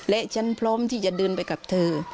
และฉันพร้อมที่จะเดินไปกับเธอ